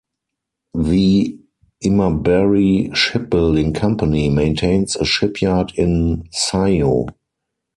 The Imabari Shipbuilding Company maintains a shipyard in Saijo.